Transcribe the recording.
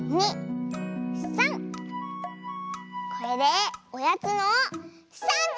これでおやつの３じ！